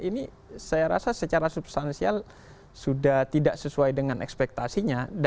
ini saya rasa secara substansial sudah tidak sesuai dengan ekspektasinya